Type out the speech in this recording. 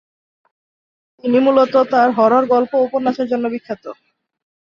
তিনি মূলত তার হরর গল্প ও উপন্যাসের জন্য বিখ্যাত।